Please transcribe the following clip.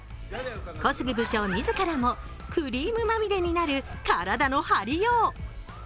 小杉部長自らも、クリームまみれになる体の張りよう。